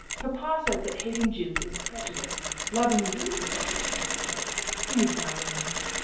Papa says that hating Jews is a prejudice. Loving you is a prejudice, I suppose." "My darling!"